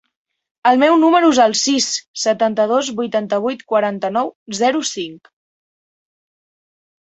El meu número es el sis, setanta-dos, vuitanta-vuit, quaranta-nou, zero, cinc.